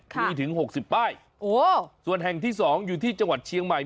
มีถึง๖๐ป้ายส่วนแห่งที่๒อยู่ที่จังหวัดเชียงใหม่